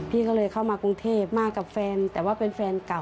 พี่ก็เลยเข้ามากรุงเทพมากับแฟนแต่ว่าเป็นแฟนเก่า